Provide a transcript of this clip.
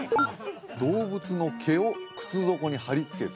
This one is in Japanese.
動物の毛を靴底に貼り付ける